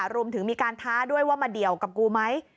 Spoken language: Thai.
รวมถึงมีการท้าด้วยว่ามาเดี่ยวกับกูไหม